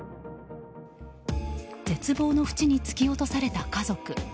絶望の淵に突き落とされた家族。